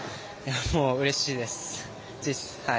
うれしいです。